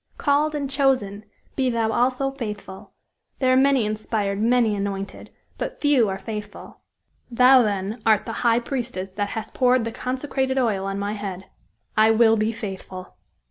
'Called and chosen,' be thou also faithful. There are many inspired, many anointed; but few are faithful!" "Thou, then, art the high priestess that hast poured the consecrated oil on my head. I will be faithful!"